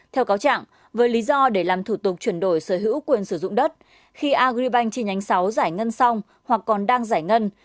theo cáo trạng với lý do để làm thủ tục chuyển đổi sở hữu quyền sử dụng đất khi agribank chi nhánh sáu giải ngân xong hoặc còn đang giải ngân